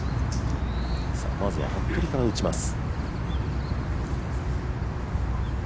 まずは服部から打ちます。